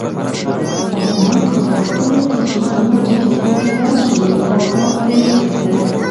ارمان کاکا خپلو کڅوړنو سترګو ته لاس ونیو او باغ ته یې وکتل.